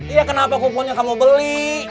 iya kenapa kumpulnya kamu beli